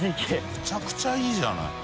めちゃくちゃいいじゃない。